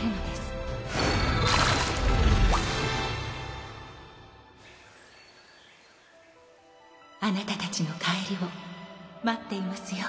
ピピッピピッあなたたちの帰りを待っていますよ。